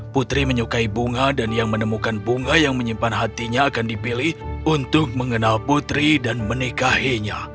putri menyukai bunga dan yang menemukan bunga yang menyimpan hatinya akan dipilih untuk mengenal putri dan menikahinya